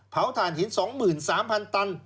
๒เผาฐานหิน๒๓๐๐๐ตัน